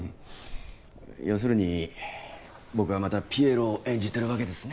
要するに僕はまたピエロを演じてるわけですね。